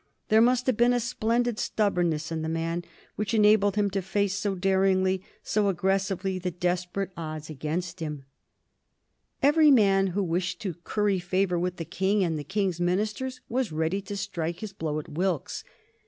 There must have been a splendid stubbornness in the man which enabled him to face so daringly, so aggressively, the desperate odds against him. [Sidenote: 1763 Wilkes and his accusers] Every man who wished to curry favor with the King and the King's ministers was ready to strike his blow at Wilkes.